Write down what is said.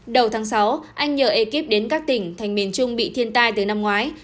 đầu tháng sáu anh nhờ ekip đến các tỉnh thành miền trung bị thiên tai từ năm ngoái